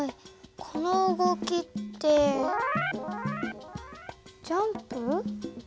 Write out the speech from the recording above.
この動きってジャンプ？